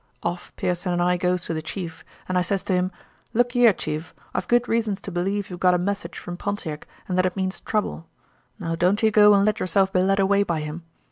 Off Pearson and I goes to the chief; and I says to him, 'Look ye here, chief, I've good reasons to believe you've got a message from Pontiac and that it means trouble. Now don't you go and let yourself be led away by him.